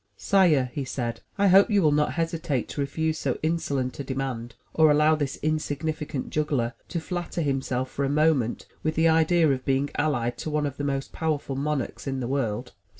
Sire," he said, *'I hope you will not hesitate to refuse so insolent a demand, or allow this insignificant juggler to flatter himself for a moment with the idea of being allied to one of the most powerful monarchs in the world."